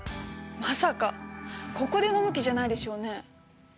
まさかここで飲む気じゃないでしょうね。